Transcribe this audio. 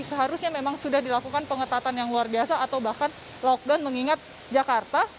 seharusnya memang sudah dilakukan pengetatan yang luar biasa atau bahkan lockdown mengingat jakarta